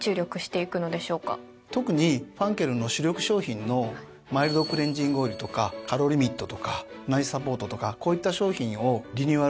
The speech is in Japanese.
特にファンケルの主力商品の「マイルドクレンジングオイル」とか「カロリミット」とか「内脂サポート」とかこういった商品をリニューアルをしました。